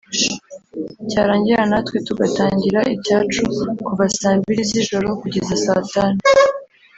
cyarangira natwe tugatangira icyacu kuva saa mbili z’ijoro kugeza saa tanu